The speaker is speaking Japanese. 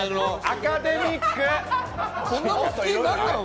アカデミック！